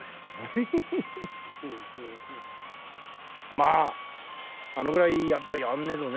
まああのぐらいやっぱやんねえとね。